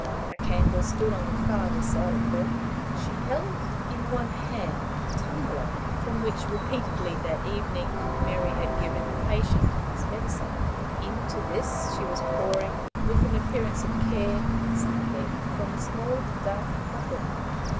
A candle stood on the farther side of her. She held in one hand the tumbler from which, repeatedly that evening, Mary had given the patient his medicine: into this she was pouring, with an appearance of care, something from a small dark bottle.